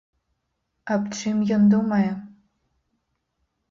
Аб чым ён думае?